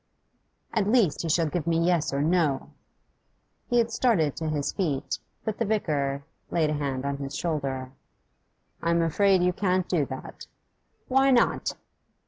At least he shall give me yes or no.' He had started to his feet, but the vicar laid a hand on his shoulder. 'I'm afraid you can't do that.' 'Why not?